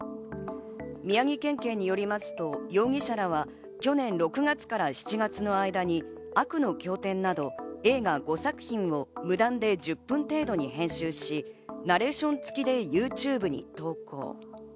宮城県警によりますと、容疑者らは去年６月から７月の間に『悪の教典』など、映画５作品を無断で１０分程度に編集し、ナレーション付きでＹｏｕＴｕｂｅに投稿。